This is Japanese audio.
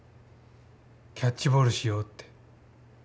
キャッチボールしようって。